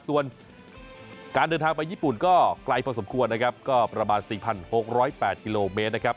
ส่วนการเดินทางไปญี่ปุ่นก็ไกลพอสมควรนะครับก็ประมาณ๔๖๐๘กิโลเมตรนะครับ